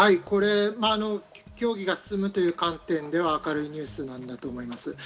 これ、協議が進むという観点では明るいニュースなんだと思います。